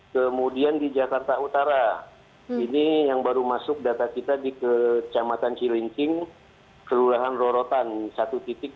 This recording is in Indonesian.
kemudian di jakarta utara ini yang baru masuk data kita di kecamatan cilincing kelurahan rorotan satu titik